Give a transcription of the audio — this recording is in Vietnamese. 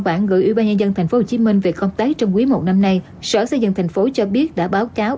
bản gửi ủy ban nhân dân tp hcm về công tác trong quý một năm nay sở xây dựng thành phố cho biết đã báo cáo